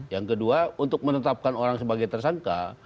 yang kedua untuk menetapkan orang sebagai tersangka